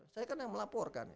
saya kan yang melaporkan